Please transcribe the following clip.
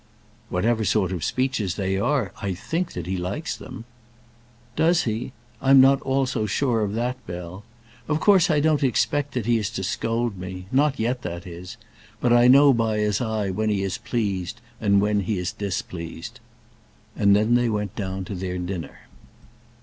"Whatever sort of speeches they are, I think that he likes them." "Does he? I'm not all so sure of that, Bell. Of course I don't expect that he is to scold me, not yet, that is. But I know by his eye when he is pleased and when he is displeased." And then they went down to their dinner.